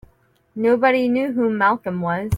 Nobody knew who Malcolm was.